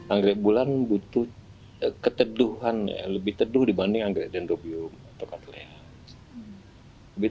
anggrek bulan butuh keteduhan lebih teduh dibanding anggrek dendrobium atau katle lebih